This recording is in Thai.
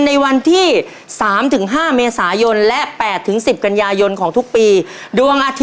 ก็จะใจทื้นขึ้นนะครับ